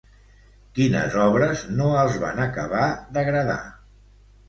Quines obres no els van acabar d'agradar?